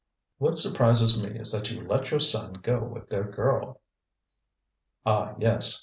"What surprises me is that you let your son go with their girl." "Ah, yes!